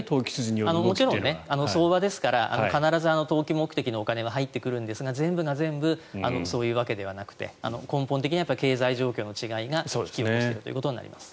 相場ですから必ず投機目的のお金は入ってくるんですが全部が全部そういうわけではなくて根本的には経済状況の違いが引き起こしていることになります。